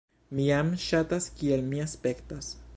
"Mi jam ŝatas kiel mi aspektas."